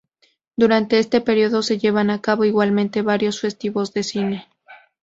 Durante este periodo, se llevan a cabo igualmente varios festivales de cine.